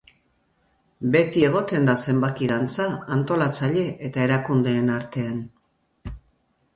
Beti egoten da zenbaki dantza antolatzaile eta erakundeen artean.